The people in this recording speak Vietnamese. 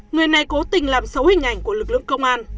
người này cố tình làm xấu hình ảnh của lực lượng công an